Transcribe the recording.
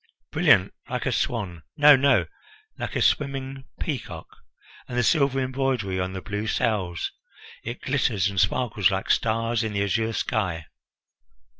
Brilliant! Like a swan! No, no, like a swimming peacock! And the silver embroidery on the blue sails! It glitters and sparkles like stars in the azure sky."